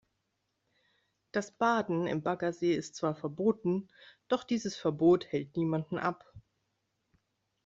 Das Baden im Baggersee ist zwar verboten, doch dieses Verbot hält niemanden ab.